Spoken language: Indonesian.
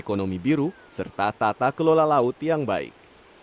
ekonomi biru serta tata kelola laut yang baik